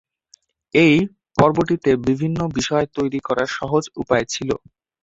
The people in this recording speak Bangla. এই পর্বটিতে বিভিন্ন বিষয় তৈরি করার সহজ উপায় ছিল।